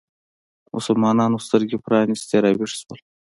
مسلمانانو سترګې پرانیستې راویښ شول